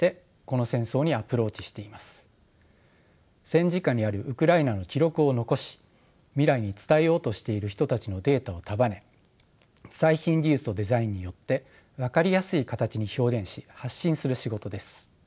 戦時下にあるウクライナの記録を残し未来に伝えようとしている人たちのデータを束ね最新技術とデザインによって分かりやすい形に表現し発信する仕事です。